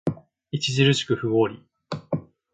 著しく不合理